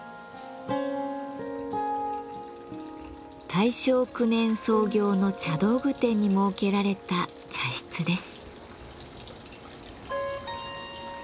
大正９年創業の茶道具店に設けられた茶室です。